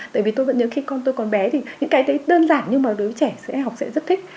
tại vì tôi vẫn nhớ khi con tôi còn bé thì những cái đấy đơn giản nhưng mà đối với trẻ sẽ học sẽ rất thích